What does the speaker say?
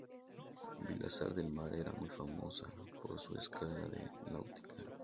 Vilasar de Mar era muy famosa por su escuela de Náutica.